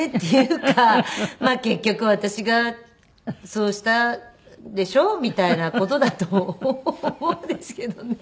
結局私がそうしたでしょみたいな事だと思うんですけどね。